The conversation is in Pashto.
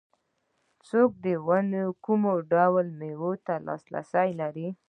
څوک د ونې کوم ډول مېوې ته لاسرسی لري